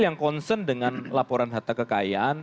yang concern dengan laporan harta kekayaan